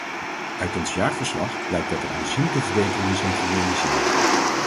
Uit ons jaarverslag blijkt dat er aanzienlijke verbeteringen zijn gerealiseerd.